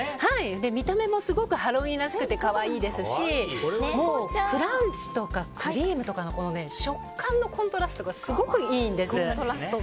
見た目もすごくハロウィーンらしくて可愛いですしクランチとかクリームとかの食感のコントラストがすごくいいんです。